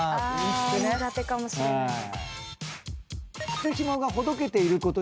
苦手かもしれないです。